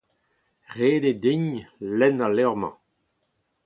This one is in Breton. Ret eo din lenn al levr-mañ.